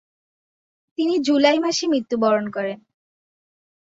তিনি জুলাই মাসে মৃত্যুবরণ করেন।